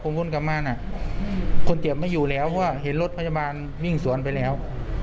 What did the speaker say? วนกลับมาน่ะคนเจ็บไม่อยู่แล้วเพราะว่าเห็นรถพยาบาลวิ่งสวนไปแล้ว